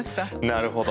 なるほど。